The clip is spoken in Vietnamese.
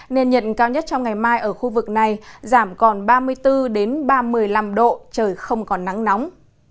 nên nhiệt cao nhất trong ngày mai ở khu vực này giảm còn ba mươi bốn ba mươi năm độ trời không còn nắng nóng